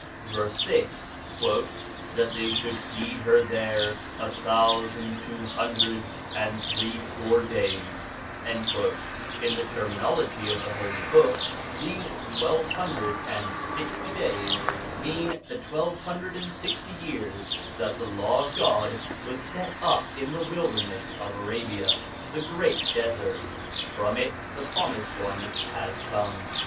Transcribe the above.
Verse 6. ' That they should feed her there a thousand two hundred and threescore days/ In the terminology of the Holy Book these twelve hundred and sixty days mean the twelve hundred and sixty years that the Law of God was set up in the wilderness of Arabia, the great desert: from it the Promised One has come.